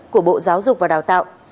của bộ giáo dục và đào tạo